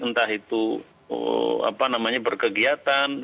entah itu mudik entah itu berkegiatan